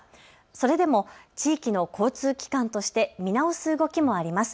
それでも地域の交通機関として見直す動きもあります。